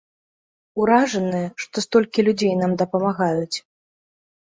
Уражаныя, што столькі людзей нам дапамагаюць.